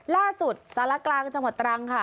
ล่าสุดสารกลางจังหวัดตรังส์ค่ะ